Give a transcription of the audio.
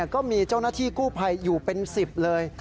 ก็มีเจ้าหน้าที่กู้ภัยอยู่เป็น๑๐เลย